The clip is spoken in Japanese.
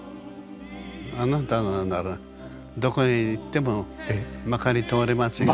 あなたならどこへ行ってもまかり通れますよ。